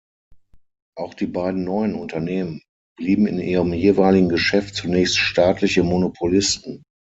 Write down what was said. Auch die beiden neuen Unternehmen blieben in ihrem jeweiligen Geschäft zunächst staatliche Monopolisten.